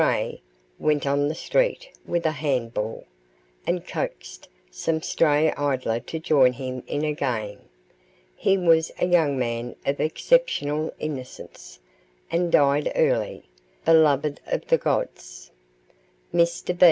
A. went on the street with a handball, and coaxed some stray idler to join him in a game. He was a young man of exceptional innocence, and died early, beloved of the gods. Mr.